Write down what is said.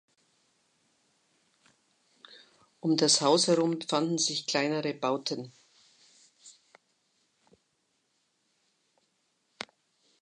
Um das Haus herum fanden sich kleinere Bauten.